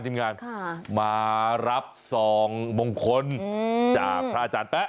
ทีมงานมารับซองมงคลจากพระอาจารย์แป๊ะ